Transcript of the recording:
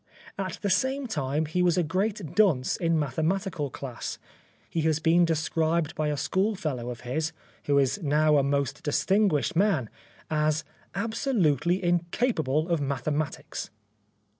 At the same time he was a great dunce in the mathematical class. He has been described by a schoolfellow of his, who is now a most distinguished man, as " absolutely incapable of mathematics."